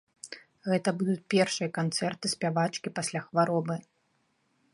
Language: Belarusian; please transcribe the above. Гэта будуць першыя канцэрты спявачкі пасля хваробы.